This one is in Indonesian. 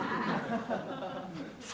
sulapan apaan gue gak tau